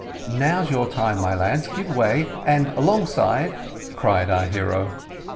"Now's your time, my lads, give way and alongside," cried our hero.